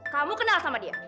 kamu kenal sama dia